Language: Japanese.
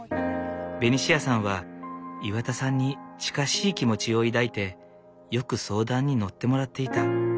ベニシアさんは岩田さんに近しい気持ちを抱いてよく相談に乗ってもらっていた。